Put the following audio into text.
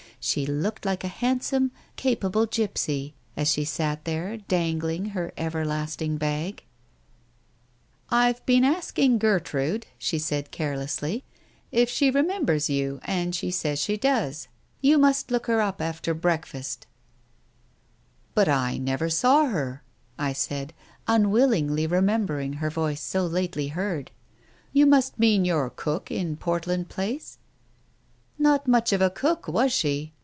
She looked like a handsome, capable gipsy, as she sat there, dangling her everlasting bag. ...••••••• "I've been asking Gertrude," she said carelessly, "if she remembers you, and she says she does. You must look her up after breakfast." Digitized by Google 266 TALES OF THE UNEASY "But I never saw her !" he said, unwillingly, remem bering her voice so lately heard. "You mean your cook in Portland Place ?"" Not much of a cook, was she